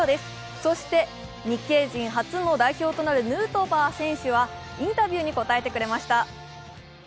そして日系人初の代表となるヌートバー選手はインタビューに答えてくれました。